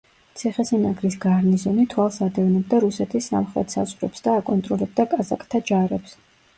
ციხესიმაგრის გარნიზონი თვალს ადევნებდა რუსეთის სამხრეთ საზღვრებს და აკონტროლებდა კაზაკთა ჯარებს.